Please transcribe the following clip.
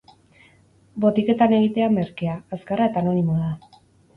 Botiketan egitea merkea, azkarra eta anomimoa da.